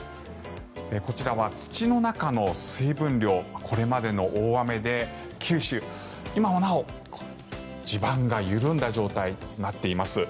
こちらは土の中の水分量これまでの大雨で九州、今もなお地盤が緩んだ状態になっています。